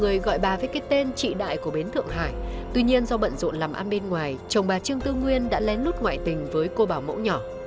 người gọi bà với cái tên chị đại của bến thượng hải tuy nhiên do bận rộn làm ăn bên ngoài chồng bà trương tư nguyên đã lén lút ngoại tình với cô bảo mẫu nhỏ